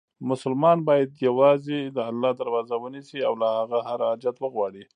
مسلمان باید یووازې د الله دروازه ونیسي، او له هغه هر حاجت وغواړي.